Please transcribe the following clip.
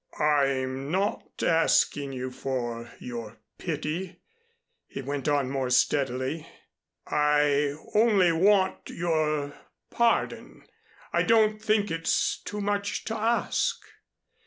"I'm not asking you for your pity," he went on more steadily. "I only want your pardon. I don't think it's too much to ask.